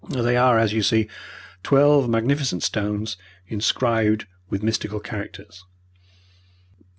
There are, as you see, twelve magnificent stones, inscribed with mystical characters.